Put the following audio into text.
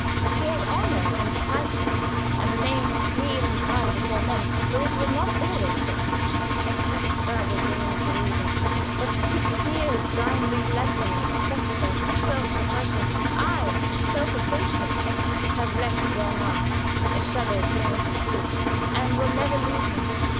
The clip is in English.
He has honor and titles, and a name clean and high before men, but it was not always so. That terrible bringing to reason that six years' grinding lesson of suffering, self suppression ay, self effacement have left their marks, a "shadow plain to see," and will never leave him.